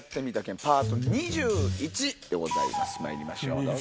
まいりましょうどうぞ。